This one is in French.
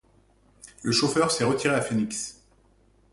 Le chauffeur s'est retiré à Phoenix.